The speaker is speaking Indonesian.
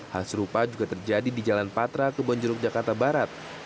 hal serupa juga terjadi di jalan patra kebonjeruk jakarta barat